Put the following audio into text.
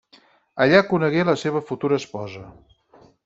Allà conegué la seva futura esposa.